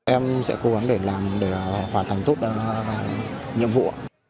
em sẽ cố gắng để làm để hoàn thành tốt nhiệm vụ